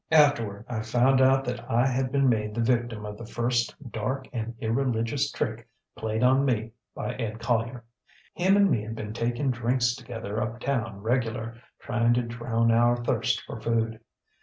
Afterward I found out that I had been made the victim of the first dark and irreligious trick played on me by Ed Collier. Him and me had been taking drinks together uptown regular, trying to drown our thirst for food.